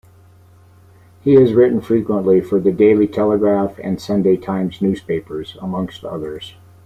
He has written frequently for the "Daily Telegraph" and "Sunday Times" newspapers amongst others.